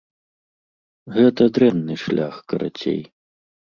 Гэта дрэнны шлях, карацей.